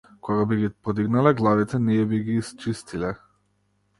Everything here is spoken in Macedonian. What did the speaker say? Кога би ги подигнале главите, ние би ги исчистиле!